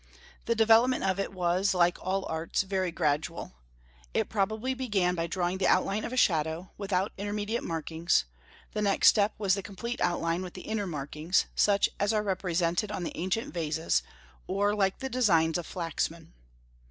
The development of it was, like all arts, very gradual. It probably began by drawing the outline of a shadow, without intermediate markings; the next step was the complete outline with the inner markings, such as are represented on the ancient vases, or like the designs of Flaxman.